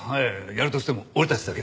やるとしても俺たちだけで。